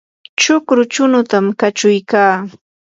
chukru chunutam kachuykaa.